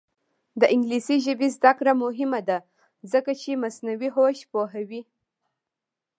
د انګلیسي ژبې زده کړه مهمه ده ځکه چې مصنوعي هوش پوهوي.